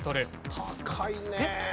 高いね。